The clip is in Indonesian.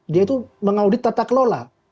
dia itu mengaudit tata kelola